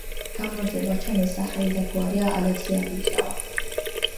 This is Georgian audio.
გამარჯობა ჩემი სახელი და გვარია ალექსი აბშილავა